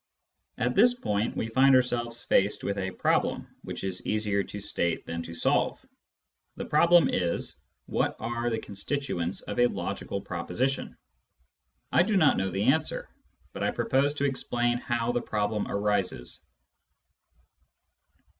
At this point we find ourselves faced with a problem which is easier to state than to solve. The problem is :" What are the constituents of a logical proposition f " I do not know the answer, but I propose to explain how the problem arises.